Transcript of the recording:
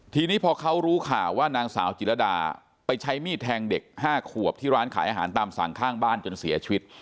ทีนี้พอเขารู้ข่าวว่านางสาวจิรดาไปใช้มีดแทงเด็ก๕ขวบที่ร้านขายอาหารตามสั่งข้างบ้านจนเสียชีวิต